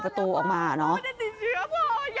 แม่มันไม่ดีหรอก